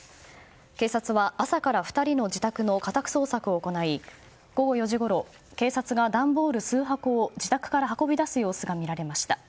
警察は朝から２人の自宅の家宅捜索を行い午後４時ごろ警察が段ボール数箱を自宅から運び出す様子が見られました。